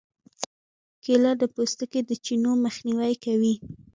کېله د پوستکي د چینو مخنیوی کوي.